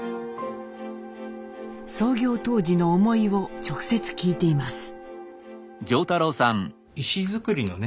創業当時の思いを直接聞いています。